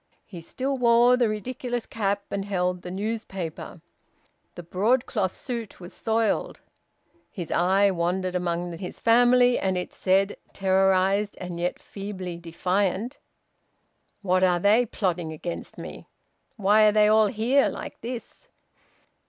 He still wore the ridiculous cap and held the newspaper. The broadcloth suit was soiled. His eye wandered among his family, and it said, terrorised, and yet feebly defiant, "What are they plotting against me? Why are they all here like this?"